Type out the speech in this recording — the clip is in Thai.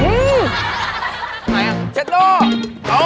อื้อเช็ดตัว